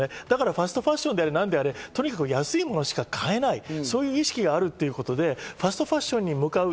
ファストファッションであれ何であれ、安いものしか買えない、そういう意識があるということで、ファストファッションに向かう。